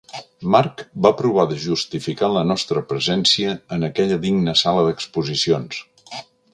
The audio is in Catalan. Marc va provar de justificar la nostra presència en aquella digna sala d'exposicions.